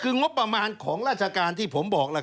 คืองบประมาณของราชการที่ผมบอกล่ะ